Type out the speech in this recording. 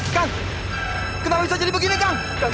kang kenapa bisa jadi begini kang